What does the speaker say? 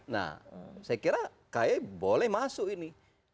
nah saya kira kaye boleh masuk ini